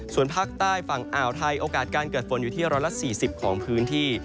ส่วนภาคใต้ฝั่งอ่าวไทยโอกาสการเกิดฝนอยู่ที่๑๔๐ของพื้นที่